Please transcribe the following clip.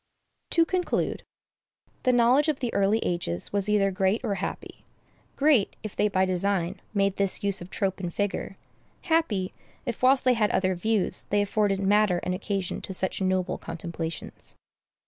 To conclude, the knowledge of the early ages was either great or happy; great, if they by design made this use of trope and figure; happy, if, whilst they had other views, they afforded matter and occasion to such noble contemplations.